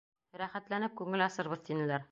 Рәхәтләнеп күңел асырбыҙ, — тинеләр.